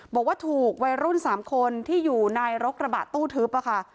บอกว่าถูกวัยรุ่น๓คนที่อยู่ในรถกระบะตู้ทึบค่ะ